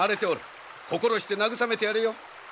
心して慰めてやれよ。